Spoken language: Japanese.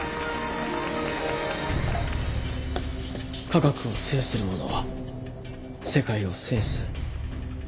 「科学を制する者は世界を制す」